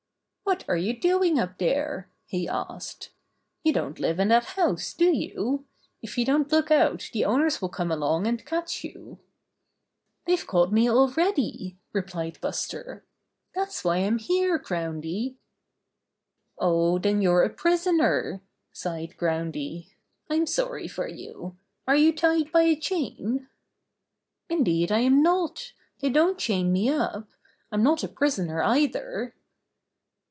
"What are you doing up there?" he asked, "You don't live in that house, do you? If 42 Buster the Bear you don't look out the owners will come along and catch you." ^'They've caught me already," replied Buster. 'That's why I'm here, Groundy." "Oh, then you're a prisoner!" sighed Groundy. "I'm sorry for you. Are you tied by a chain?" "Indeed, I'm not! They don't chain me up. I'm not a prisoner, either."